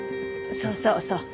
そうそうそう。